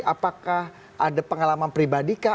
apakah ada pengalaman pribadi kah